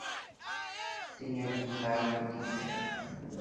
তিনি একজন গায়ক ও গীতিকার।